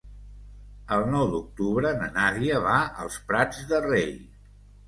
El nou d'octubre na Nàdia va als Prats de Rei.